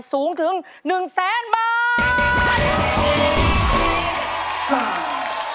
สูงถึง๑แสนบาท